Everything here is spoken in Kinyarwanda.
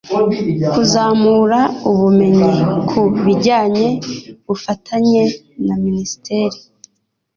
kuzamura ubumenyi ku bijyanye bufatanye na minisiteri